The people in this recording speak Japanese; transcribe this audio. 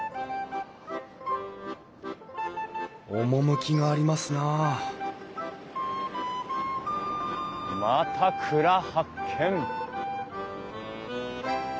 趣がありますなあまた蔵発見！